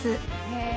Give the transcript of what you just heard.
「へえ」